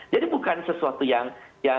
jadi bukan sesuatu yang